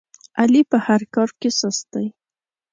علي په هر کار کې سست دی.